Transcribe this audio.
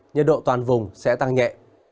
nhiệt độ toàn vùng sẽ tăng nhẹ